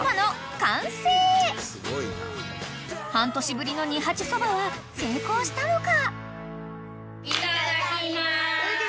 ［半年ぶりの二八そばは成功したのか？］